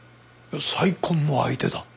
再婚の相手だ。